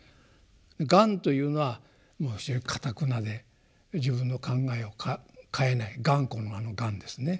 「頑」というのはかたくなで自分の考えを変えない頑固のあの「頑」ですね。